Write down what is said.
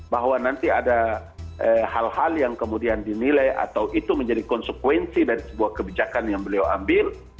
bahwa nanti ada hal hal yang kemudian dinilai atau itu menjadi konsekuensi dari sebuah kebijakan yang beliau ambil